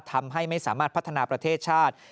ทำให้ไม่สามารถพัฒนาประเทศชาติ